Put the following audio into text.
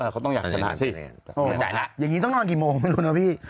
เขาต้องอยากชนะสิโอ้อย่างงี้ต้องนอนกี่โมงไม่รู้นะพี่